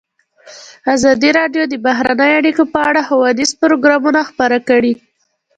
ازادي راډیو د بهرنۍ اړیکې په اړه ښوونیز پروګرامونه خپاره کړي.